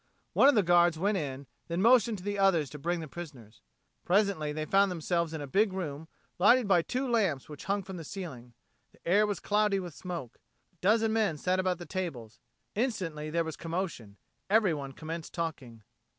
One of the guards went in, then motioned to the others to bring the prisoners. Presently they found themselves in a big room, lighted by two lamps which hung from the ceiling. The air was cloudy with smoke. A dozen men sat about at the tables. Instantly there was commotion. Everyone commenced talking.